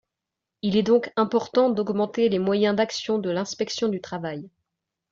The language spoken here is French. Il est donc important d’augmenter les moyens d’action de l’inspection du travail.